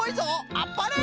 あっぱれ！